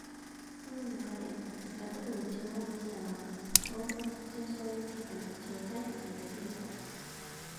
その中で、私が特に注目したのは、統合失調症についての詳細な解説でした。